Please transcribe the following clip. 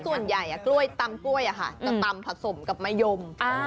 ส่วนใหญ่กล้วยตำกล้วยจะตำผสมกับมะยม